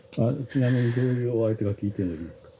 ちなみにどういうお相手か聞いてもいいですか？